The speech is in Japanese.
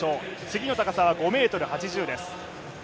次の高さは５ｍ８０です。